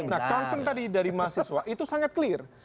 nah concern tadi dari mahasiswa itu sangat clear